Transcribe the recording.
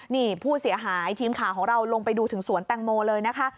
นี่ผู้เสียหายทีมข่าวของเราลงไปดูถึงสวนแตงโมเลยนะคะ